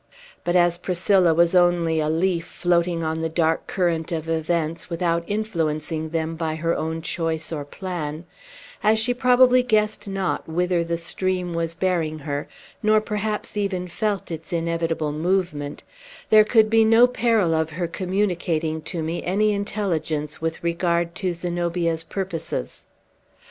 But, as Priscilla was only a leaf floating on the dark current of events, without influencing them by her own choice or plan, as she probably guessed not whither the stream was bearing her, nor perhaps even felt its inevitable movement, there could be no peril of her communicating to me any intelligence with regard to Zenobia's purposes.